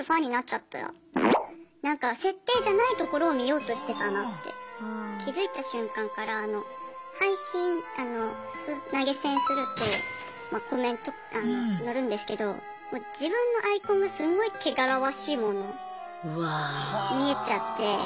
なんか設定じゃないところを見ようとしてたなって気付いた瞬間から配信投げ銭するとコメント載るんですけどもう自分のアイコンがすごい汚らわしいモノに見えちゃって。